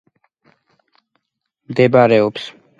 მდებარეობს როსტოვის ოლქის ქალაქ აზოვში, რუსეთი.